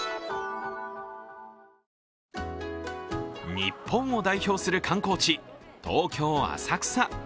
日本を代表する観光地東京・浅草。